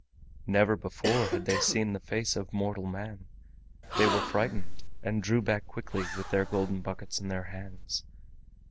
Never before had they seen the face of mortal man; they were frightened, and drew back quickly with their golden buckets in their hands.